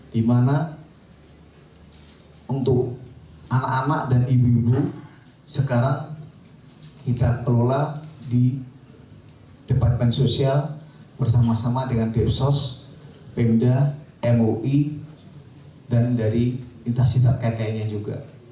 dimana untuk anak anak dan ibu ibu sekarang kita kelola di departemen sosial bersama sama dengan densus pemda moi dan dari intasita ktn nya juga